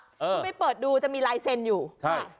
คุณไปเปิดดูจะมีลายเซ็นต์อยู่ค่ะ